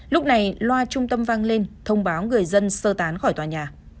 lúc này loa trung tâm văng lên thông báo người dân sơ tán khỏi tòa nhà